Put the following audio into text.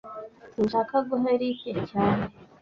Sinshaka guha Eric cyane